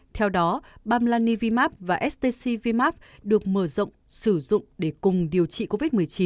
theo đó bamlani vimab và stc vimab được mở rộng sử dụng để cùng điều trị covid một mươi chín